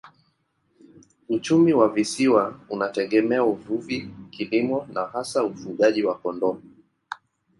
Uchumi wa visiwa unategemea uvuvi, kilimo na hasa ufugaji wa kondoo.